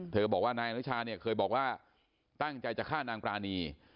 บอกว่านายอนุชาเนี่ยเคยบอกว่าตั้งใจจะฆ่านางปรานี